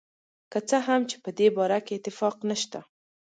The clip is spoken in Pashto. که څه هم چې په دې باره کې اتفاق نشته.